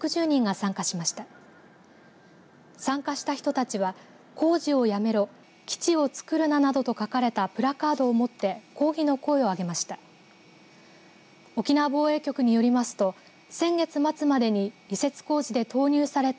参加した人たちは、工事をやめろ基地をつくるなどと書かれたプラカードを持って抗議の声を上げました。